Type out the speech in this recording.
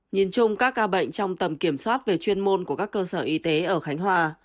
nhìn chung các ca bệnh trong tầm kiểm soát về chuyên môn của các cơ sở y tế ở khánh hòa